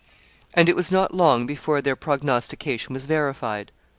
] And it was not long before their prognostication was verified.